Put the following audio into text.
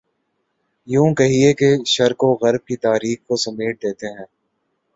یوں کہیے کہ شرق و غرب کی تاریخ کو سمیٹ دیتے ہیں۔